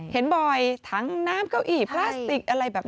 เห็นบ่อยถังน้ำเก้าอี้พลาสติกอะไรแบบนี้